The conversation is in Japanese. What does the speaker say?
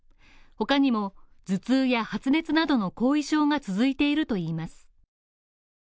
他にも、頭痛や発熱などの後遺症が続いているといいます。